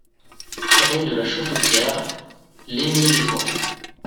Rue de la Chauffetiere, Leigné-les-Bois